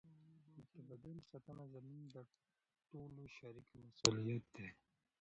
د تمدن ساتنه زموږ د ټولو شریک مسؤلیت دی.